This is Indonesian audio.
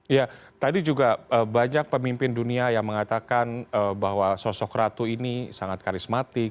ya tadi juga banyak pemimpin dunia yang mengatakan bahwa sosok ratu ini sangat karismatik